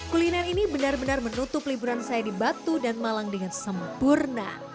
kuliner ini benar benar menutup liburan saya di batu dan malang dengan sempurna